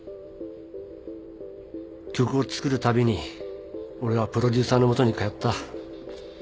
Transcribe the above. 曲を作るたびに俺はプロデューサーの元に通った。